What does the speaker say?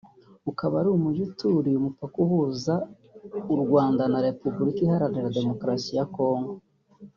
ukaba ari umujyi uturiye umupaka uhuza u Rwanda na Repubulika iharanira Demokarasi ya Congo